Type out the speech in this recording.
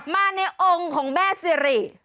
มาในองค์ของแม่สิริ